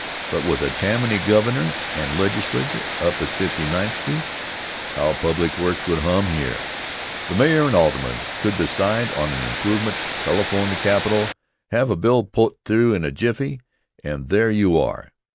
But, with a Tammany Governor and Legislature up at Fifty ninth Street, how public works would hum here! The Mayor and Aldermen could decide on an improvement, telephone the Capitol, have a bill put through in a jiffy and there you are.